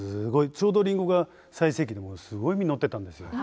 ちょうどリンゴが最盛期ですごい実ってたんですよ。